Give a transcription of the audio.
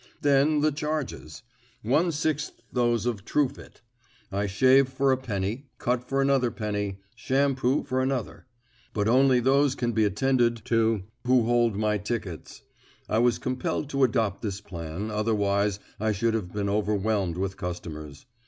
Then, the charges. One sixth those of Truefit. I shave for a penny, cut for another penny, shampoo for another. But only those can be attended to who hold my tickets. I was compelled to adopt this plan, otherwise I should have been overwhelmed with customers.